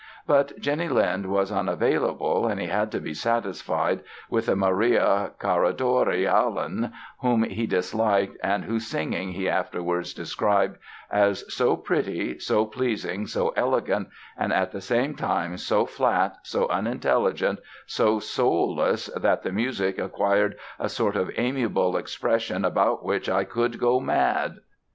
But Jenny Lind was unavailable and he had to be satisfied with a Maria Caradori Allan, whom he disliked and whose singing he afterwards described as "so pretty, so pleasing, so elegant and at the same time so flat, so unintelligent, so soulless that the music acquired a sort of amiable expression about which I could go mad".